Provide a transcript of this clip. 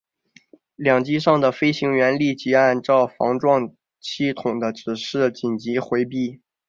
两机上的飞行员立即按照防撞系统的指示紧急回避。